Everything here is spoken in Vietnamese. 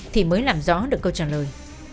thì mới làm rõ được câu trả lời